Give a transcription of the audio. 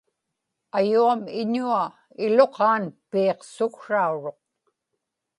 ayuam iñua iluqaan piiqsuksrauruq